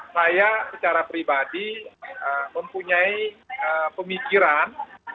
saya secara pribadi mempunyai pemikiran